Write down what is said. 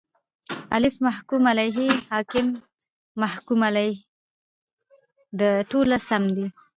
الف: محکوم علیه ب: حاکم ج: محکوم علیه د: ټوله سم دي